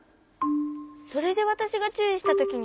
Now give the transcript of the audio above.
それでわたしがちゅういしたときに。